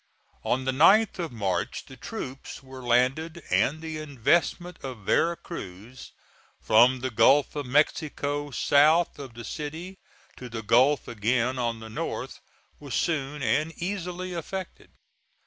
On the 9th of March the troops were landed and the investment of Vera Cruz, from the Gulf of Mexico south of the city to the Gulf again on the north, was soon and easily effected.